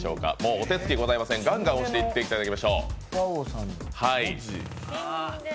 お手つきございませんガンガン押していっていただきましょう。